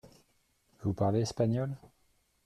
Vous parlez espagnol ?